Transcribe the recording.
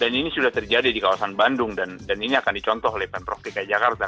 dan ini sudah terjadi di kawasan bandung dan ini akan dicontoh oleh pemprov dki jakarta